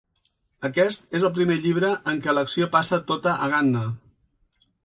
Aquest és el primer llibre en què l'acció passa tota a Ghana.